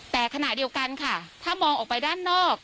แต่ขณะเดียวกันค่ะถ้ามองออกไปด้านนอก